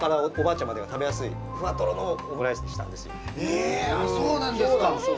へあそうなんですか！